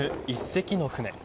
１隻の船。